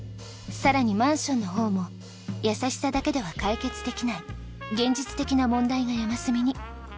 さらにマンションのほうも優しさだけでは解決できない現実的な問題が山積みに。